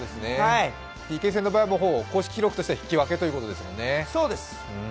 ＰＫ戦の場合は公式記録では引き分けということですもんね。